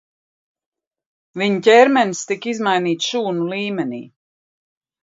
Viņa ķermenis tika izmainīts šūnu līmenī.